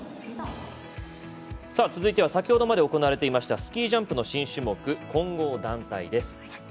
さあ、続いては先ほどまで行われてましたスキージャンプの新種目混合団体です。